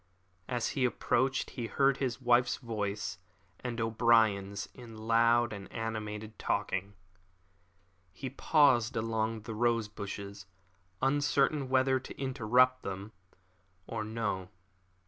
As he approached he heard his wife's voice and O'Brien's in loud and animated talk. He paused among the rose bushes, uncertain whether to interrupt them or no.